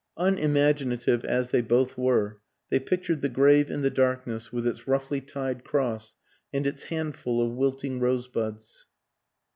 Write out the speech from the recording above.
Un imaginative as they both were, they pictured the grave in the darkness with its roughly tied cross and its handful of wilting rosebuds.